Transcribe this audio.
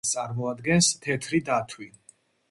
გამონაკლის წარმოადგენს თეთრი დათვი.